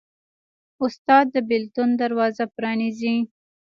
استاد د بدلون دروازه پرانیزي.